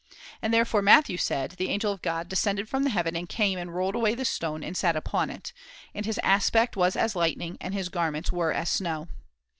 And therefore Matthew said :* The angel of God descended from heaven and came and rolled away the stone and sat upon it ; and his aspect was as lightning and his garments were as snow.'